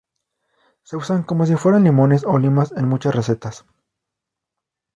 Se usan como si fueran limones o limas en muchas recetas.